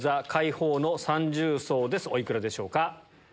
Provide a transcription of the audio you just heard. お幾らでしょうか？